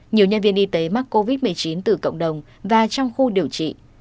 nhiều nhân viên y tế mắc covid một mươi chín từ cộng đồng và trong khu điều trị